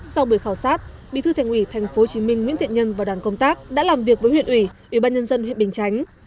sau buổi khảo sát bí thư thành ủy tp hcm nguyễn thiện nhân và đoàn công tác đã làm việc với huyện ủy ủy ban nhân dân huyện bình chánh